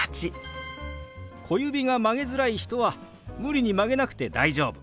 小指が曲げづらい人は無理に曲げなくて大丈夫。